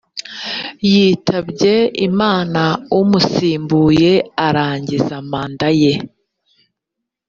yitabye imana umusimbuye arangiza manda ye